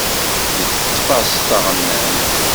Yeṭṭef-as taɣennant.